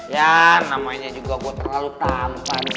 ya namanya juga gue terlalu tampan